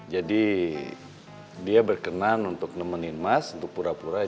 jadi dia berkenan untuk nemenin mas untuk pura pura jadi